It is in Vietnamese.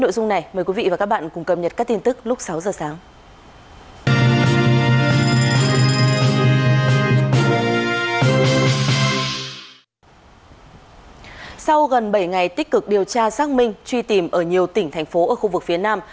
sau gần bảy ngày tích cực điều tra xác minh truy tìm ở nhiều tỉnh thành phố ở khu vực phía nam